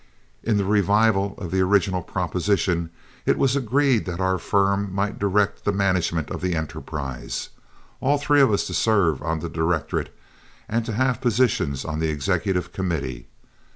In the revival of the original proposition it was agreed that our firm might direct the management of the enterprise, all three of us to serve on the directorate and to have positions on the executive committee.